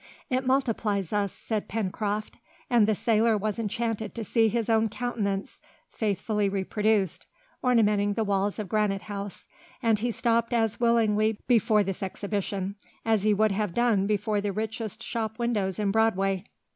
"It multiplies us," said Pencroft. And the sailor was enchanted to see his own countenance, faithfully reproduced, ornamenting the walls of Granite House, and he stopped as willingly before this exhibition as he would have done before the richest shop windows in Broadway.